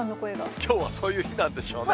きょうはそういう日なんでしょうね。